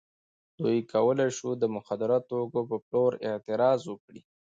دوی کولای شوای د مخدره توکو په پلور اعتراض وکړي.